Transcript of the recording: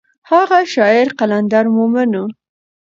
هغه شاعر قلندر مومند و.